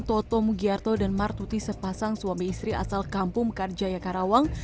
toto mugiarto dan martuti sepasang suami istri asal kampung karjaya karawang